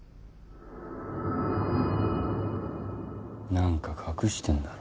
何か隠してんだろ。